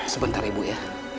sebentar ibu ya